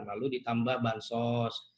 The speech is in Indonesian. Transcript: lalu ditambah bansos